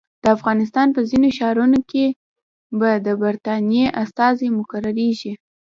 د افغانستان په ځینو ښارونو کې به د برټانیې استازي مقرریږي.